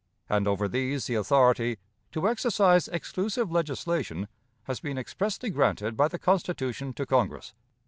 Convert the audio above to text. and over these the authority 'to exercise exclusive legislation' has been expressly granted by the Constitution to Congress.